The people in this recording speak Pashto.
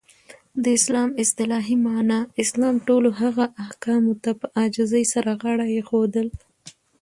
د اسلام اصطلاحی معنا : اسلام ټولو هغه احکامو ته په عاجزی سره غاړه ایښودل.